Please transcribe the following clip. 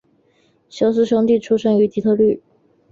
休斯兄弟出生于底特律。